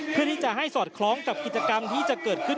เพื่อที่จะให้สอดคล้องกับกิจกรรมที่จะเกิดขึ้น